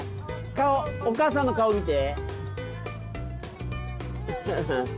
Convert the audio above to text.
顔お母さんの顔を見て。